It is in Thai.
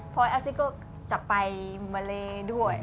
พ่ออัลซิกก็จะไปเมล็ด้วย